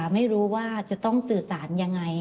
ไม่รู้ว่าจะต้องสื่อสารยังไง